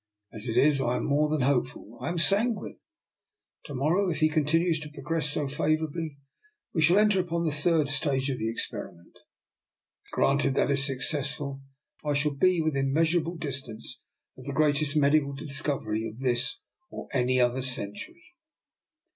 As it is, I am more than hopeful, I am sanguine. To morrow, if he continues to progress so favourably, we shall enter upon the third stage of the experi ment. Granted that is successful, I shall be within measurable distance of the greatest medical discovery of this or any other cen tury."